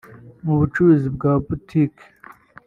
Mu bucuruzi bwa butiki